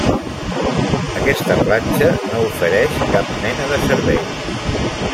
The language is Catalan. Aquesta platja no ofereix cap mena de servei.